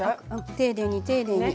丁寧に丁寧に。